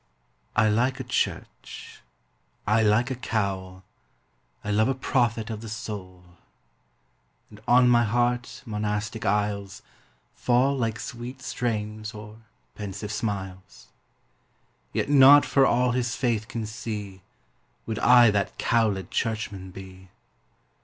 I like a church ; I like a cowl ; I love a prophet of the soul ; And on my heart monastic aisles Fall like sweet strains or pensive smiles; Yet not for all his faith can see Would I that cowled churchman be.